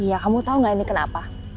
iya kamu tahu nggak ini kenapa